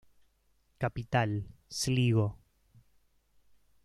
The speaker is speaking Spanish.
Capital: Sligo.